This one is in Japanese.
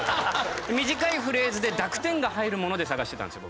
短いフレーズで濁点が入るもので探してたんですよ